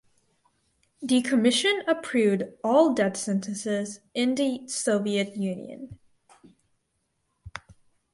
The Commission approved all death sentences in the Soviet Union.